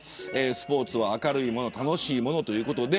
スポーツは明るいもの楽しいものということで